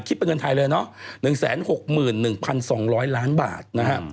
คิดเป็นเงินไทยเลยเนาะ๑๖๑๒๐๐ล้านบาท